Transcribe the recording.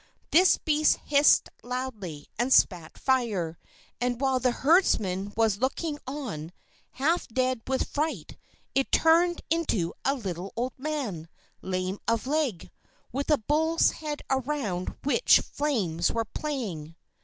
This beast hissed loudly and spat fire, and, while the herdsman was looking on, half dead with fright, it turned into a little old man, lame of leg, with a bull's head around which flames were playing.